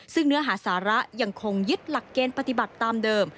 ซึ่งเนื้อหาสาระยังคงยึดหลักเกณฑ์ปฏิบัติตามเดิม